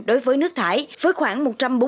đối với nước thải với khoảng